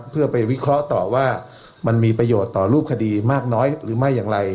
เพื่อไปวิเคราะห์ต่อว่ามันมีประโยชน์ต่อรูปคดีมากน้อยหรือไม่อย่างไร